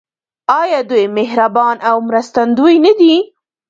آیا دوی مهربان او مرستندوی نه دي؟